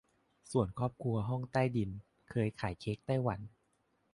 ส่วนครอบครัวห้องใต้ดิน เคยขายเค้กไต้หวัน